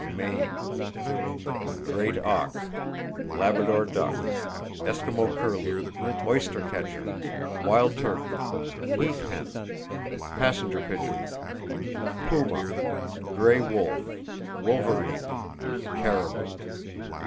Maine: Great auk, Labrador duck, Eskimo curlew, oystercatcher, wild turkey, heath hen, passenger pigeon; puma, gray wolf, wolverine, caribou.